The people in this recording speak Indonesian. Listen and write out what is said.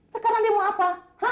sekarang dia mau apa